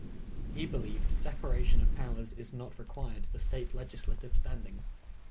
He believed separation of powers is not required for state legislative standings.